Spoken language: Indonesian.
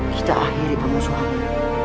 kita akhiri pengusuhmu